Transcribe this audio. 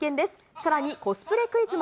さらにコスプレクイズも。